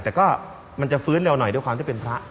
แต่ก็มันจะฟื้นเร็วหน่อยด้วยความที่เป็นพระ